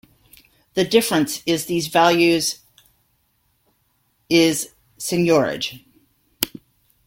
The difference is these values is seigniorage.